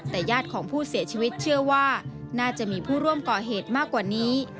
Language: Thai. แต่ญาติของผู้เสียชีวิตเชื่อว่าน่าจะมีผู้ร่วมก่อเหตุมากกว่านี้